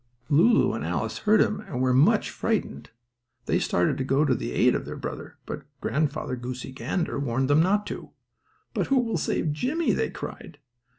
Lulu and Alice heard him, and were much frightened. They started to go to the aid of their brother, but Grandfather Goosey Gander warned them not to. "But who will save Jimmie?" they cried.